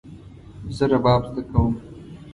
زه رباب زده کوم